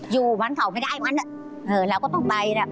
อยู่มันเผาไม่ได้มัน